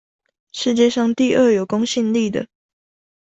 世界上第二有公信力的